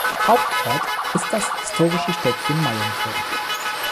Hauptort ist das historische Städtchen Maienfeld.